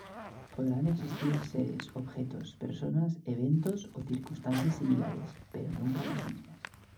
Podrán existir seres, objetos, personas, eventos o circunstancias similares, pero nunca las mismas.